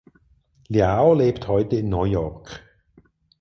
Liao lebt heute in New York.